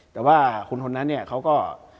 แต่ว่าคนคนนั้นเนี่ยเขาก็